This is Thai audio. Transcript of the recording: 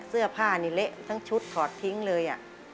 เสื้อผ้านี่เละทั้งชุดถอดทิ้งเลย